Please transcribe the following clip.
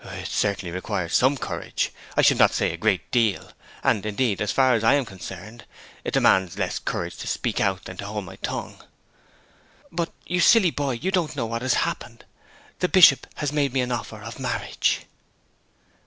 'It certainly requires some courage, I should not say a great deal; and indeed, as far as I am concerned, it demands less courage to speak out than to hold my tongue.' 'But, you silly boy, you don't know what has happened. The Bishop has made me an offer of marriage.'